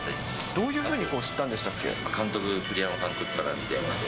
どういうふうに知ったんでし監督、栗山監督からの電話で。